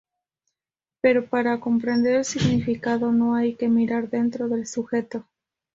Pero para comprender el significado no hay que mirar dentro del sujeto.